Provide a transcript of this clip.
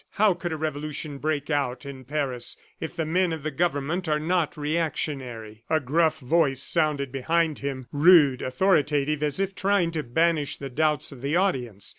How could a revolution break out in Paris if the men of the government are not reactionary?" A gruff voice sounded behind him, rude, authoritative, as if trying to banish the doubts of the audience.